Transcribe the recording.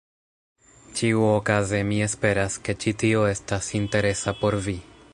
Ĉiuokaze mi esperas, ke ĉi tio estas interesa por vi.